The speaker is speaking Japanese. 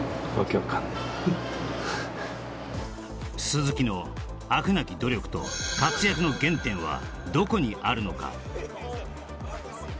鈴木の飽くなき努力と活躍の原点はどこにあるのか